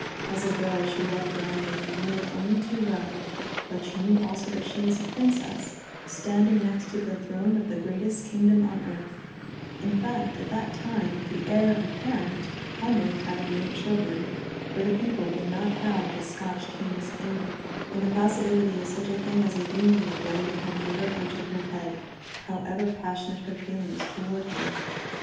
As a girl, she loved Brandon, and knew it only too well, but she knew also that she was a princess, standing next to the throne of the greatest kingdom on earth; in fact, at that time, the heir apparent Henry having no children for the people would not have the Scotch king's imp and the possibility of such a thing as a union with Brandon had never entered her head, however passionate her feelings toward him.